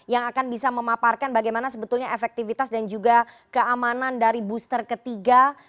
yang akan bisa memaparkan bagaimana sebetulnya efektivitas dan juga keamanan dari booster ketiga